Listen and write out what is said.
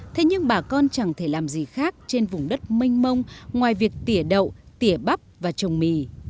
thế nhưng bà con chẳng thể làm gì khác trên vùng đất mênh mông ngoài việc tỉa đậu tỉa bắp và trồng mì